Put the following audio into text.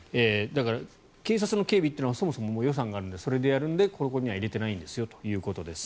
だから警察の警備というのがそもそも予算があるのでそれでやるのでここには入れていないんですよということです。